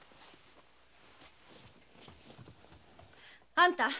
あんた！